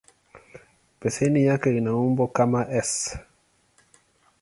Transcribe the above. Beseni yake ina umbo kama "S".